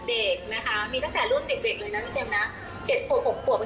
๗๖ขวบปกติเขาก็มาเต้นกัน